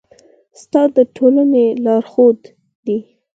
استاد د ټولني لارښود دی.